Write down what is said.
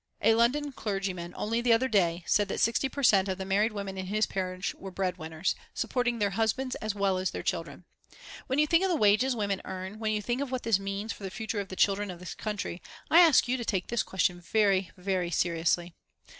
A London clergyman only the other day said that 60 per cent. of the married women in his parish were breadwinners, supporting their husbands as well as their children. When you think of the wages women earn, when you think of what this means to the future of the children of this country, I ask you to take this question very, very seriously.